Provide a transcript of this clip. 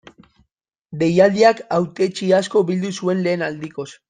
Deialdiak hautetsi asko bildu zuen lehen aldikoz.